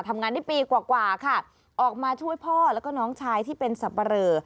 ทำงานได้ปีกว่ากว่าค่ะออกมาช่วยพ่อแล้วก็น้องชายที่เป็นสับปะเรอ